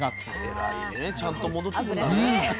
偉いねちゃんと戻ってくんだね。